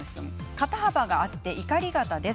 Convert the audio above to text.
肩幅があっていかり肩です。